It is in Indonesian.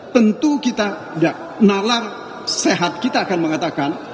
tentu kita nalam sehat kita akan mengatakan